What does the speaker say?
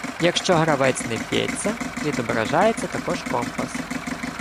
Якщо гравець не б'ється, відображається також компас.